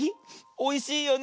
おいしいよね。